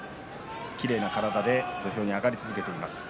きれいな体で土俵に上がり続けています。